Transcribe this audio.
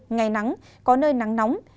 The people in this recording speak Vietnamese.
ngày nắng có nơi nắng nóng